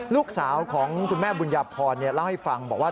ลูกสาวของคุณแม่บุญญาพรเล่าให้ฟังบอกว่า